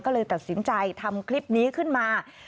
ก็เลยตัดสินใจทำคลิปนี้ขึ้นมา